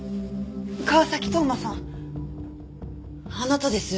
川崎斗真さんあなたですよね？